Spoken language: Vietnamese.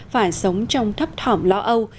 phải sống trong thấp thỏm lõ âu